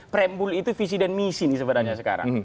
prembul itu visi dan misi nih sebenarnya sekarang